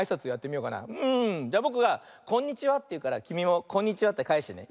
じゃあぼくが「こんにちは」っていうからきみも「こんにちは」ってかえしてね。